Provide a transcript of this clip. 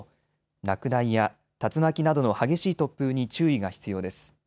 落雷や竜巻などの激しい突風に注意が必要です。